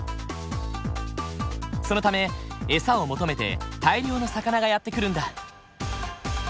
そのため餌を求めて大量の魚がやって来るんだ。